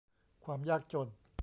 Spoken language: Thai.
ความยากจน